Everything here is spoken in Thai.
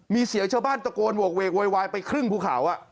มีเสียงชาวบ้านตะโกนโหกเวกโวยวายไปครึ่งภูเขา